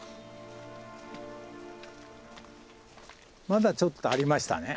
まだちょっとありましたね。